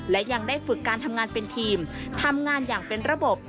และยังได้ฝึกการทำงานเป็นทีมทำงานอย่างเป็นระบบ